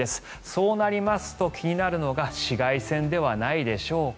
そうなりますと気になるのが紫外線ではないでしょうか。